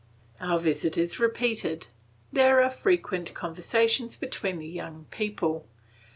Our visit is repeated. There are frequent conversations between the young people.